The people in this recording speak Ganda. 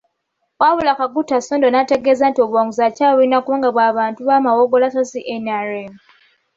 Wabula Kaguta Sodo n'ategeeza nti obuwanguzi akyabulina kubanga bw'abantu ba Mawogola so si NRM.